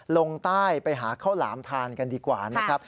ลงใต้ไปหาข้าวหลามทานกันดีกว่านะครับ